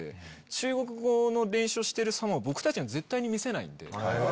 中国語の練習をしてる様を僕たちに絶対に見せないんで。